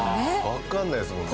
わかんないですもんね。